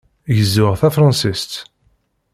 Gezzuɣ tafṛansist.